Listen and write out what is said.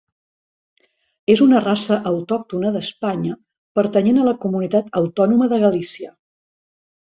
És una raça autòctona d'Espanya pertanyent a la comunitat autònoma de Galícia.